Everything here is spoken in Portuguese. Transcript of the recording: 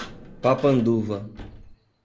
Papanduva